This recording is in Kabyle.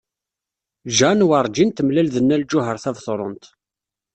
Jane werjin temlal-d Nna Lǧuheṛ Tabetṛunt.